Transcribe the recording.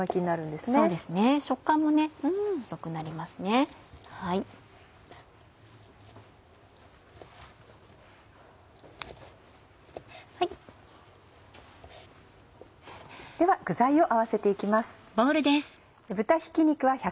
では具材を合わせて行きます。